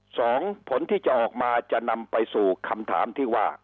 สองผลที่จะออกมาจะนำไปสู่คำถามที่ว่า